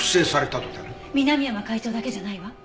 南山会長だけじゃないわ。